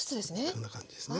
こんな感じですね。